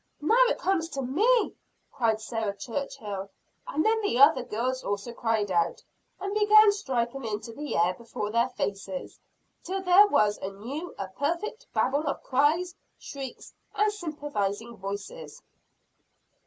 "Now it comes to me!" cried Sarah Churchill. And then the other girls also cried out, and began striking into the air before their faces, till there was anew a perfect babel of cries, shrieks and sympathizing voices.